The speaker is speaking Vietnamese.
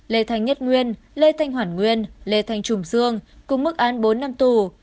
lê thanh nhất nguyên lê thanh hoàn nguyên lê thanh trùng dương cùng mức án bốn năm tù